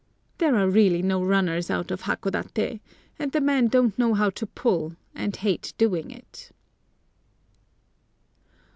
There are really no runners out of Hakodaté, and the men don't know how to pull, and hate doing it.